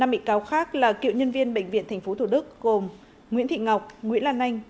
năm bị cáo khác là cựu nhân viên bệnh viện tp thủ đức gồm nguyễn thị ngọc nguyễn lan anh